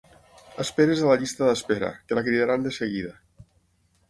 Esperi's a la llista d'espera, que la cridaran de seguida.